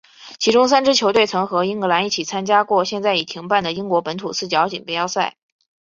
其中三支球队曾和英格兰一起参加过现在已停办的英国本土四角锦标赛。